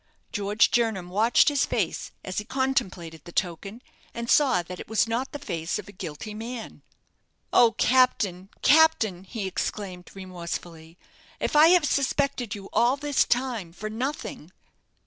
George Jernam watched his face as he contemplated the token, and saw that it was not the face of a guilty man. "Oh, captain, captain!" he exclaimed, remorsefully, "if I have suspected you all this time for nothing?"